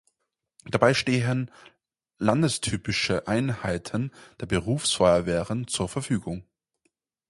Dabei stehen landestypische Einheiten der Berufsfeuerwehren zur Verfügung.